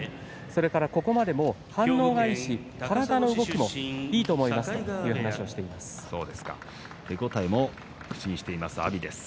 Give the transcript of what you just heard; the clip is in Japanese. それからここまでも反応がいいし体の動きもいいと手応えも口にしています阿炎です。